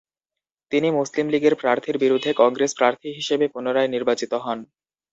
তিনি মুসলিম লীগের প্রার্থীর বিরুদ্ধে কংগ্রেস প্রার্থী হিসেবে পুনরায় নির্বাচিত হন।